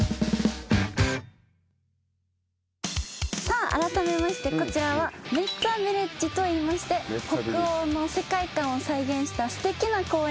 さああらためましてこちらはメッツァビレッジといいまして北欧の世界観を再現したすてきな公園となっております。